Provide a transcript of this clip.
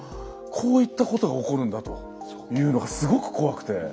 こういったことが起こるんだというのがすごく怖くて。